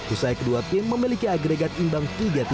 usai kedua tim memiliki agregat imbang tiga tiga